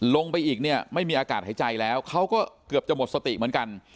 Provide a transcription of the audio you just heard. ลงไปอีกเนี่ยไม่มีอากาศหายใจแล้วเขาก็เกือบจะหมดสติเหมือนกัน